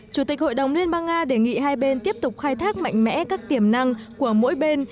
chủ tịch hội đồng liên bang nga đề nghị hai bên tiếp tục khai thác mạnh mẽ các tiềm năng của mỗi bên